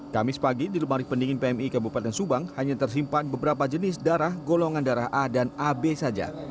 kamis pagi di lemari pendingin pmi kabupaten subang hanya tersimpan beberapa jenis darah golongan darah a dan ab saja